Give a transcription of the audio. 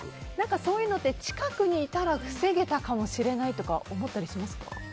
そういうのって近くにいたら防げたかもって思ったりしますか？